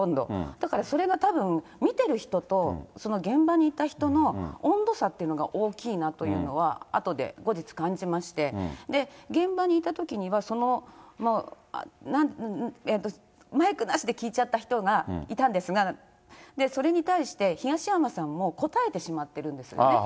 だからそれがたぶん、見てる人と、現場にいた人の温度差っていうのが大きいなというのは、あとで後日感じまして、現場にいたときには、その、マイクなしで聞いちゃった人がいたんですが、それに対して、東山さんも答えてしまってるんですよね。